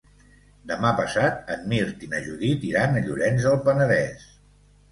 Demà passat en Mirt i na Judit iran a Llorenç del Penedès.